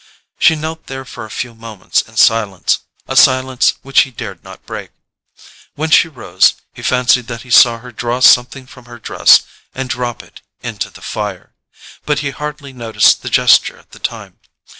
She knelt there for a few moments in silence; a silence which he dared not break. When she rose he fancied that he saw her draw something from her dress and drop it into the fire; but he hardly noticed the gesture at the time.